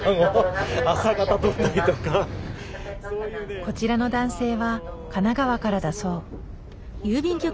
こちらの男性は神奈川からだそう。